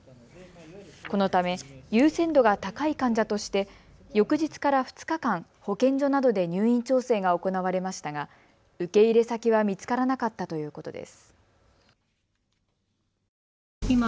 このため優先度が高い患者として翌日から２日間、保健所などで入院調整が行われましたが受け入れ先は見つからなかったということです。